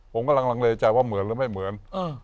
ผมกำลังลังเลใจว่าเหมือนหรือไม่เหมือน